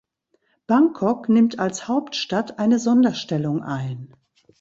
Bangkok nimmt als Hauptstadt eine Sonderstellung ein.